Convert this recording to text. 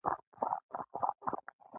قلم د ښو افکارو زېږنده ده